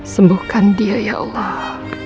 sembuhkan dia ya allah